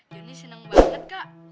juni seneng banget kak